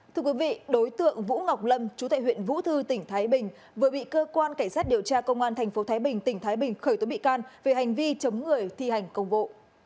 thưa quý vị đối tượng vũ ngọc lâm chú tại huyện vũ thư tỉnh thái bình vừa bị cơ quan cảnh sát điều tra công an tp thái bình tỉnh thái bình khởi tố bị can về hành vi chống người thi hành công vụ